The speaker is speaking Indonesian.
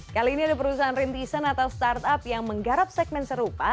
kali ini ada perusahaan rintisan atau startup yang menggarap segmen serupa